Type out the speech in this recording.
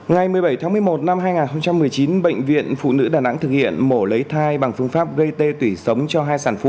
ngày một mươi bảy tháng một mươi một năm hai nghìn một mươi chín bệnh viện phụ nữ đà nẵng thực hiện mổ lấy thai bằng phương pháp gây tê tủy sống cho hai sản phụ